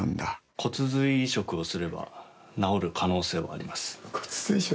骨髄移植をすれば治る可能性はあります。